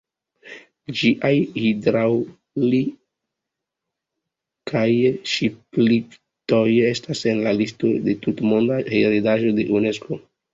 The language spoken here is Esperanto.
Ĝiaj hidraŭlikaj ŝipliftoj estas en la listo de tutmondaj heredaĵoj de Unesko.